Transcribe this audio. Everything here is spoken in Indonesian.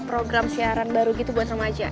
program siaran baru gitu buat remaja